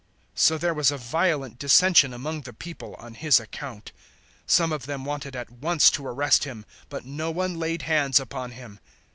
007:043 So there was a violent dissension among the people on His account. 007:044 Some of them wanted at once to arrest Him, but no one laid hands upon Him.